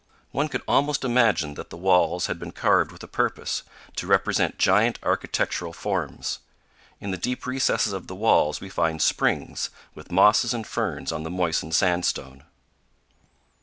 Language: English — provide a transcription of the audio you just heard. One could almost imagine that the walls had been carved with a purpose, to represent giant architectural forms. In the deep recesses of the walls we find springs, with mosses and ferns on the moistened sandstone.